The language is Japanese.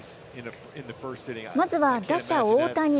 まずは打者・大谷。